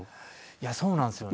いやそうなんですよね。